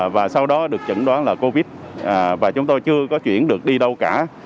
và sau đó được chẩn đoán là covid và chúng tôi chưa có chuyển được đi đâu cả